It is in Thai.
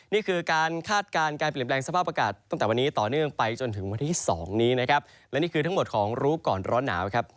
นี่คือการคาดการณ์การเปลี่ยนแปลงสภาพอากาศตั้งแต่วันนี้ต่อเนื่องไปจนถึงวันที่๒นี้นะครับและนี่คือทั้งหมดของรู้ก่อนร้อนหนาวครับ